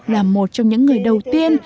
là một trong những người đầu tiên